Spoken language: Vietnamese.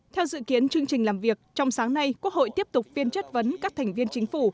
theo dự kiến chương trình làm việc trong sáng nay quốc hội tiếp tục phiên chất vấn các thành viên chính phủ